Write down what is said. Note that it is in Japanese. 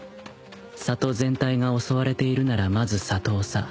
里全体が襲われているならまず里おさ